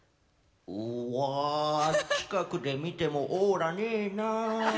「うわ近くで見てもオーラねえな」。